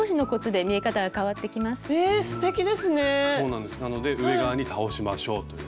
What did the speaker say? なので上側に倒しましょうという。